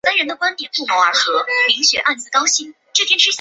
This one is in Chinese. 李诫墓位于河南省新郑市龙湖镇于寨村西。